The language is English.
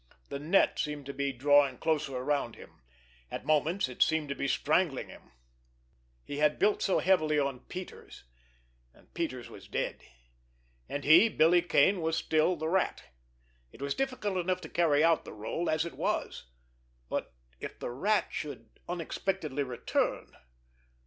The net seemed to be drawing closer around him; at moments it seemed to be strangling him. He had built so heavily on Peters. And Peters was dead. And he, Billy Kane, was still the Rat. It was difficult enough to carry out the rôle, as it was—but if the Rat should unexpectedly return!